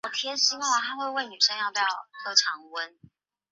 而北韩方面越境对其进行枪击的行为被指违反朝鲜战争停战协定。